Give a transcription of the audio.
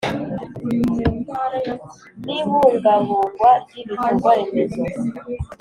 N Ibungabungwa Ry Ibikorwa Remezo